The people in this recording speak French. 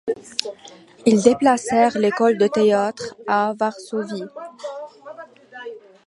Ils déplacèrent l'école de théâtre à Varsovie.